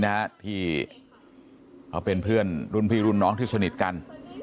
นะฮะที่เขาเป็นเพื่อนรุ่นพี่รุ่นน้องที่สนิทกัน